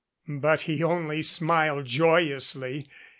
But he only smiled joyously.